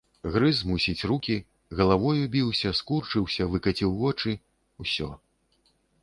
Грыз, мусіць, рукі, галавою біўся, скурчыўся, выкаціў вочы, усё.